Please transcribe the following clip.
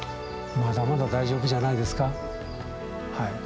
まだまだ大丈夫じゃないですか。